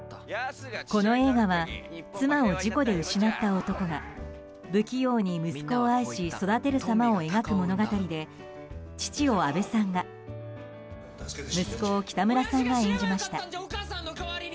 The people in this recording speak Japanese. この映画は妻を事故で失った男が不器用に息子を愛し育てるさまを描く物語で父を阿部さんが息子を北村さんが演じました。